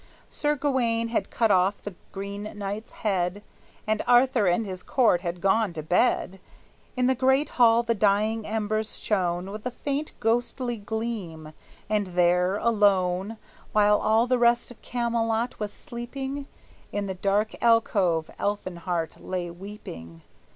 Sir Gawayne had cut off the Green Knight's head, And Arthur and his court had gone to bed; In the great hall the dying embers shone With a faint ghostly gleam, and there, alone, While all the rest of Camelot was sleeping, In the dark alcove Elfinhart lay weeping.